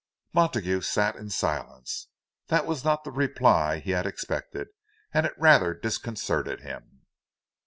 Montague sat in silence. That was not the reply he had expected, and it rather disconcerted him.